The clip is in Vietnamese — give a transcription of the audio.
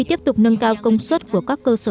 tiếp tục nâng cao công suất của các cơ sở